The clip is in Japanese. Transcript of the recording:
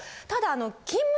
ただあの。